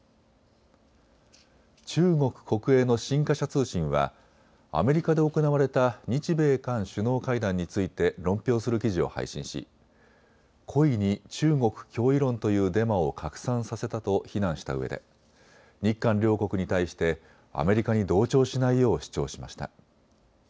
中国国営の新華社通信はアメリカで行われた日米韓首脳会談について論評する記事を配信し故意に中国脅威論というデマを拡散させたと非難したうえで日韓両国に対してアメリカに同調しないよう主張しました。